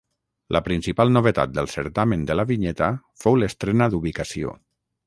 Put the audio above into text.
La principal novetat del certamen de la vinyeta fou l'estrena d'ubicació.